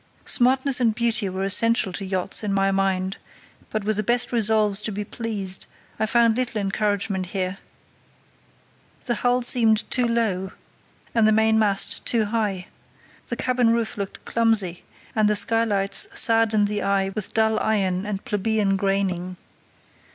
Smartness and beauty were essential to yachts, in my mind, but with the best resolves to be pleased I found little encouragement here. The hull seemed too low, and the mainmast too high; the cabin roof looked clumsy, and the skylights saddened the eye with dull iron and plebeian graining.